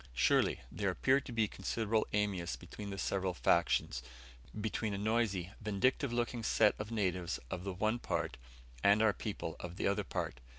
Surely, there appeared to be considerable animus between the several factions; between a noisy, vindictive looking set of natives of the one part, and our people of the other part.